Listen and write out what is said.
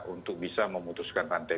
untuk bisa memutuskan rantai